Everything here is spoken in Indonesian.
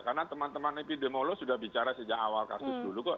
karena teman teman epidemiolog sudah bicara sejak awal kasus dulu kok